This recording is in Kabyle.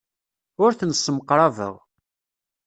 Ur ten-ssemqrabeɣ.